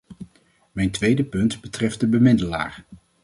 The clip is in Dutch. Mijn tweede punt betreft de bemiddelaar.